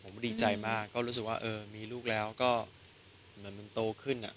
ผมดีใจมากก็รู้สึกว่าเออมีลูกแล้วก็เหมือนมันโตขึ้น